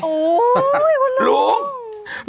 อู้โฮคุณลุงรุ่ง